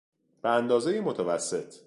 به اندازهی متوسط